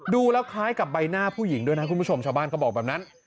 ดูแล้วคล้ายกับใบหน้าผู้หญิงด้วยนะคุณผู้ชมชาวบ้านก็บอกแบบนั้น